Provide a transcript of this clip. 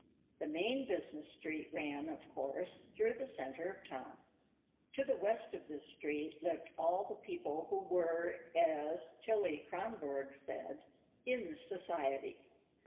The main business street ran, of course, through the center of the town. To the west of this street lived all the people who were, as Tillie Kronborg said, "in society."